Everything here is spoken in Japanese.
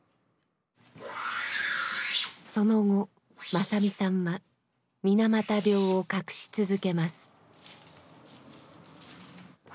その後正実さんは水俣病を隠し続けます。